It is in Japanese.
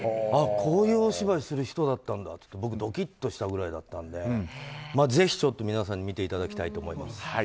こういうお芝居する人だったんだって僕ドキッとしたぐらいだったのでぜひ皆さんに見ていただきたいと思います。